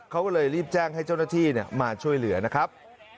เขาก็เลยรีบแจ้งให้เจ้าหน้าที่มาช่วยเหลือนะครับ